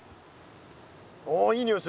おいいにおいする！